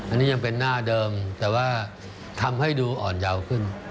อันนี้ยังเป็นหน้าเดิมแต่ว่าทำให้ดูอ่อนเยาว์ขึ้น